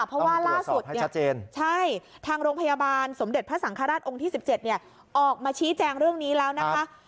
เพราะว่าล่าสุดเนี่ยใช่ทางโรงพยาบาลสมเด็จพระสังฆราชองค์ที่๑๗ออกมาชี้แจงเรื่องนี้แล้วนะคะ